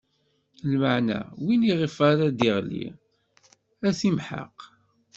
Lameɛna win iɣef ara d-iɣli, ad t-imḥeq.